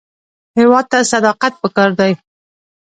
هېواد ته صداقت پکار دی